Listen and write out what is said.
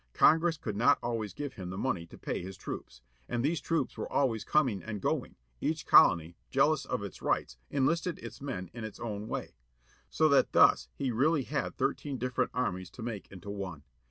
Congress could not always give him the money to pay his troops. And these troops were always coming and going, each colony, jealous of its rights, enlisted its men in its own way. So that thus he really had thirteen different armies to make into one.